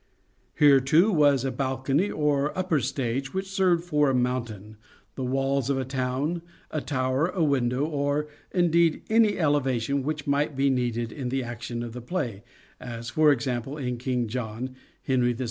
Here, too, was a balcony or upper stage, which served for a mountain, the walls of a town, a tower, a window, or, indeed, any elevation which might be needed in the action of the play, as, for example, in " King John," "Henry VI.